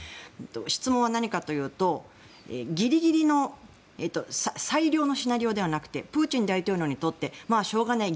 質問は何かというと最良のシナリオではなくてプーチン大統領にとってまあ、しょうがない